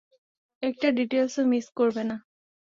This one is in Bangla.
একটা ডিটেইলসও মিস করবে না।